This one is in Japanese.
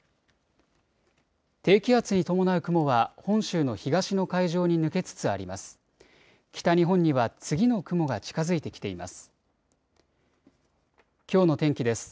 低気圧に伴う雲は本州の東の海上に抜けつつあります。